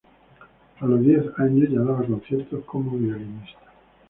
A los diez años ya daba conciertos como violinista.